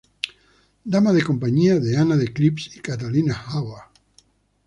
Dama de compañía de Ana de Cleves y Catalina Howard.